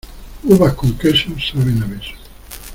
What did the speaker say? Uvas con queso saben a beso.